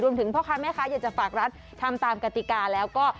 พ่อค้าแม่ค้าอยากจะฝากรัฐทำตามกติกาแล้วก็